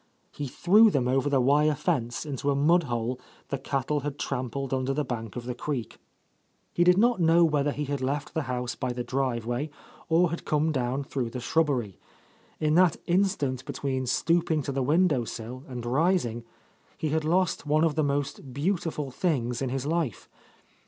He threw them over the wire fence into a mud hole the cattle had trampled under the bank of the creek. He did not know whether he had left the house by the driveway or had come down through the shrubbery. In that instant between stooping to the window sill and rising, he had lost one of the most beautiful things in his life.